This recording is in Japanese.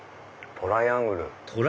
トライアングル？